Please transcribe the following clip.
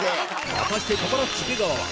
果たしてパパラッチ出川は